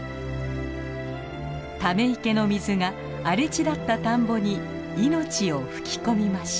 ため池の水が荒れ地だった田んぼに命を吹き込みました。